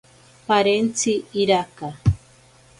Parentsi iraka.